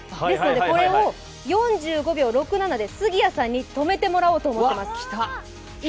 これを４５秒６７で杉谷さんに止めてもらおうと思っています。